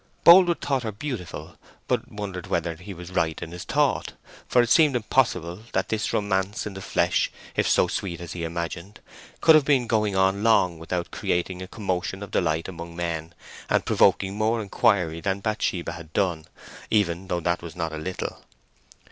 Boldwood thought her beautiful, but wondered whether he was right in his thought, for it seemed impossible that this romance in the flesh, if so sweet as he imagined, could have been going on long without creating a commotion of delight among men, and provoking more inquiry than Bathsheba had done, even though that was not a little.